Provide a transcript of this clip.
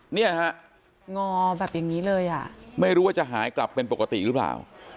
เนี่ยฮะงอแบบอย่างนี้เลยอ่ะไม่รู้ว่าจะหายกลับเป็นปกติหรือเปล่า